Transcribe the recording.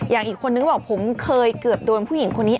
อีกคนนึงก็บอกผมเคยเกือบโดนผู้หญิงคนนี้